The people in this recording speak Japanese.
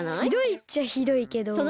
ひどいっちゃひどいけど。